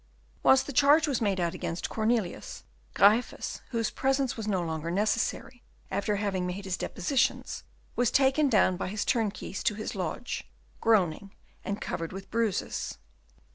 Whilst the charge was made out against Cornelius, Gryphus, whose presence was no longer necessary after having made his depositions, was taken down by his turnkeys to his lodge, groaning and covered with bruises.